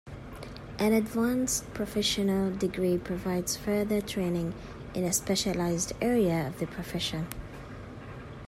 An advanced professional degree provides further training in a specialized area of the profession.